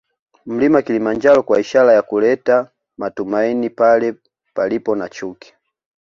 Mlima Kilimanjaro kwa ishara ya kuleta matumaini pale palipo na chuki